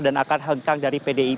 dan akan hengkang dari pdip